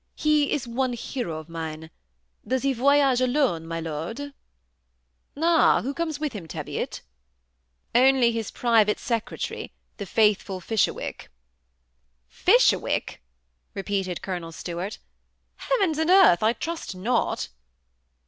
He is one hero of mine. Does he voyage alone, my lord ?"« Ah ! who comes with him, Teviot ?" "Only his private secretary, the faithful Fisher wick." " Fisherwick !" repeated Colonel Stuart " Heavens and earth ! I trust not."